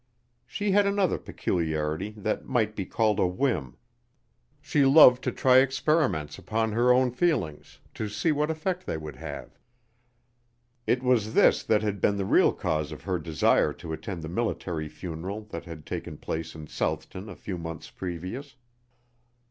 She had another peculiarity that might be called a whim she loved to try experiments upon her own feelings to see what effect they would have. It was this that had been the real cause of her desire to attend the military funeral that had taken place in Southton a few months previous.